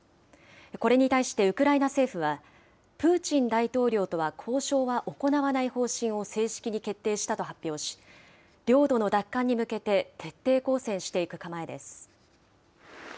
これに対してウクライナ政府は、プーチン大統領とは交渉は行わない方針を正式に決定したと発表し、領土の奪還に向けて徹底抗戦していく構えです。